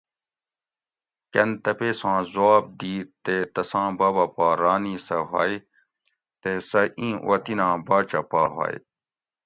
کۤن تپیساں زواب دیت تے تساں بابہ پا رانی سہ ہوئے تے سہ ایں وطناں باچہ پا ہوئے